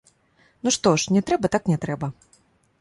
Ну што ж, не трэба так не трэба.